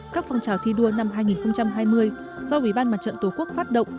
các phong trào thi đua năm hai nghìn hai mươi do ủy ban mặt trận tổ quốc phát động